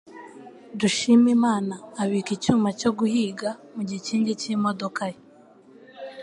Dushimimana abika icyuma cyo guhiga mu gikingi cy'imodoka ye.